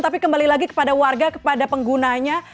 tapi kembali lagi kepada warga kepada penggunanya